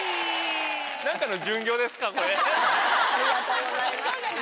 ありがとうございます。